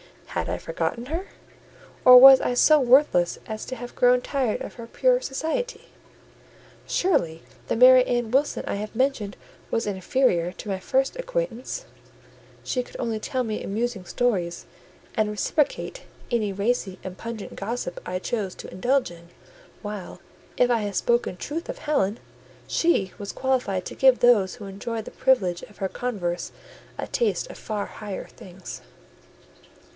Had I forgotten her? or was I so worthless as to have grown tired of her pure society? Surely the Mary Ann Wilson I have mentioned was inferior to my first acquaintance: she could only tell me amusing stories, and reciprocate any racy and pungent gossip I chose to indulge in; while, if I have spoken truth of Helen, she was qualified to give those who enjoyed the privilege of her converse a taste of far higher things.